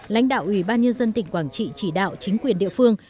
lãnh đạo ủy ban nhân dân tỉnh quảng trị chỉ đạo chính quyền địa phương